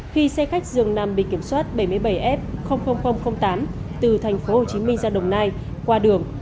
khi xe khách dường nằm bị kiểm soát bảy mươi bảy f tám từ tp hcm ra đồng nai qua đường